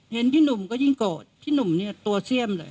เห็นพี่หนุ่มก็ยิ่งโกรธพี่หนุ่มเนี่ยตัวเสี่ยมเลย